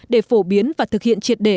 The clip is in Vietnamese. để phổ biến và thực hiện triệt đề